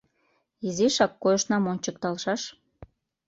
Изишак койышнам ончыкталшаш.